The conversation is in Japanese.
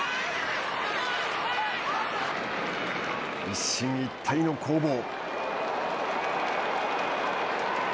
一進一退の攻防。